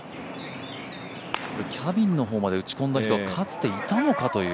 キャビンの方まで打ち込んだ人はかつていたのかという。